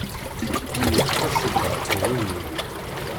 Yewwet taseddart d ugur.